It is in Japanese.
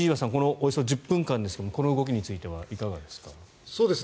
およそ１０分間ですがこの動きについてはいかがですか。